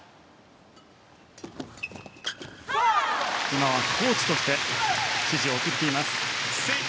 今はコーチとして指示を送っています。